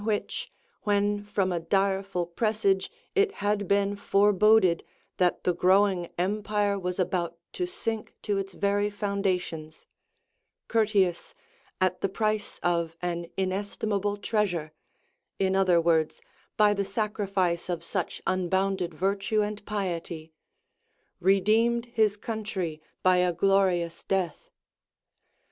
which, when from a dire ful presage it had been foreboded that the growing empire was about to sink to its very foundations, Curtius, at the price of an inestimable treasure — in other words, by the sacrifice of such unbounded virtue and piety — redeemed his country by a glorious death.